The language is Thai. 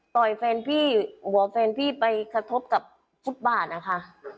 ของแฟนพี่ไปแฟนพี่ไปคาทบกับฟุตบาทนะคะ